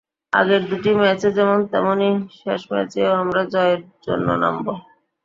আগের দুটি ম্যাচে যেমন, তেমনি শেষ ম্যাচেও আমরা জয়ের জন্য নামব।